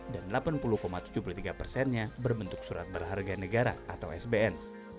dan delapan puluh tujuh puluh tiga persennya berbentuk surat berharga negara atau sbn